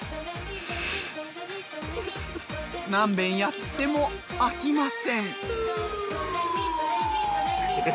なんべんやっても飽きません。